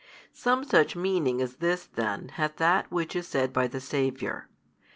Some such meaning as this then hath that which is said by the Saviour.